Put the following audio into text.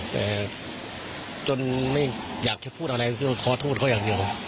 แต่จนไม่อยากจะพูดอะไรคือขอโทษเขาอย่างเดียว